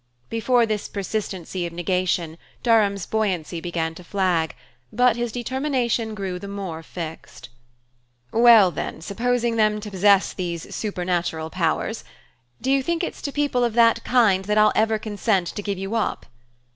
Before this persistency of negation Durham's buoyancy began to flag, but his determination grew the more fixed. "Well, then, supposing them to possess these supernatural powers; do you think it's to people of that kind that I'll ever consent to give you up?"